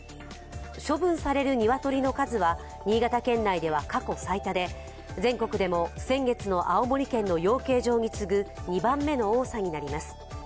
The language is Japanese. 処分される鶏の数は新潟県内では過去最多で全国でも先月の青森県の養鶏場に次ぐ２番目の多さになります。